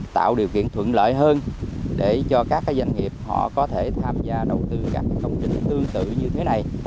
tạo điều kiện thuận lợi hơn để cho các doanh nghiệp họ có thể tham gia đầu tư các công trình tương tự như thế này